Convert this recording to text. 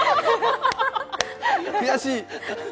悔しい！